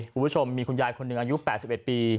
คุณผู้ชมมีคุณยายคนหนึ่งอายุ๘๑ปี